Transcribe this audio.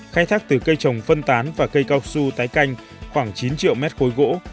khai thác từ cây trồng phân tán và cây cao su tái canh khoảng chín triệu mét khối gỗ